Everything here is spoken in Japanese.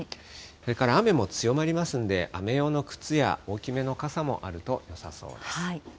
それから雨も強まりますんで、雨用の靴や大きめの傘もあるとよさそうです。